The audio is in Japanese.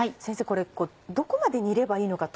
これどこまで煮ればいいのか